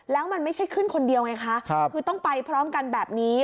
แล้วมันไม่ใช่ขึ้นคนเดียวไงคะคือต้องไปพร้อมกันแบบนี้